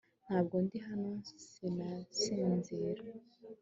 Ntabwo ndi hano Sinasinzira